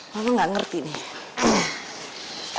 mama gak ngerti nih